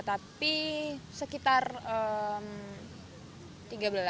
tapi sekitar rp tiga belas jutaan kalau nggak salah